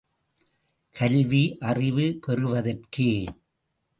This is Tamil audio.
கல்வி, அறிவு பெறுவதற்கே!